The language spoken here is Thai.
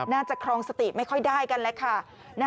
ครองสติไม่ค่อยได้กันแหละค่ะ